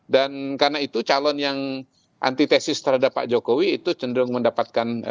dan karena itu calon yang antitesis terhadap pak jokowi itu cenderung mendapatkan